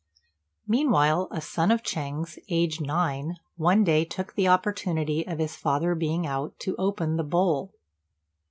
Meanwhile, a son of Ch'êng's, aged nine, one day took the opportunity of his father being out to open the bowl.